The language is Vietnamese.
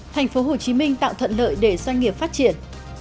thành phố hồ chí minh tạo thuận lợi để doanh nghiệp phát triển